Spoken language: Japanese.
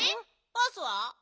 バースは？